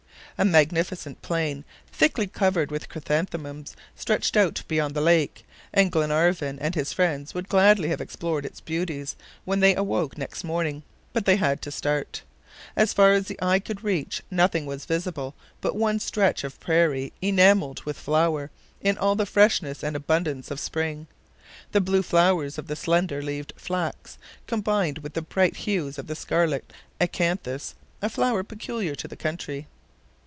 A magnificent plain, thickly covered with chrysanthemums, stretched out beyond the lake, and Glenarvan and his friends would gladly have explored its beauties when they awoke next morning, but they had to start. As far as the eye could reach, nothing was visible but one stretch of prairie, enameled with flower, in all the freshness and abundance of spring. The blue flowers of the slender leaved flax, combined with the bright hues of the scarlet acanthus, a flower peculiar to the country.